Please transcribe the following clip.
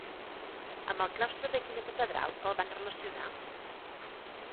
Amb el claustre de quina catedral el van relacionar?